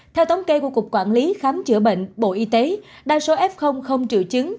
theo tống kê của cục quản lý khám chữa bệnh bộ y tế đa số f không trự chứng